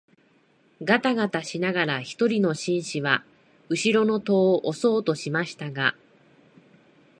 がたがたしながら一人の紳士は後ろの戸を押そうとしましたが、